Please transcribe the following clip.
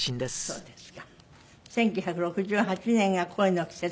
そうです。